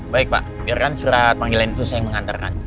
baik pak biarkan surat panggilan itu saya yang mengantarkan